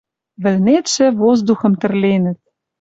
Вӹлнетшӹ воздухым тӹрленӹт...